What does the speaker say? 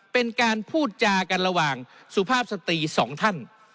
เป็นการพูดจากันระหว่างสุภาพสตรีสองท่าน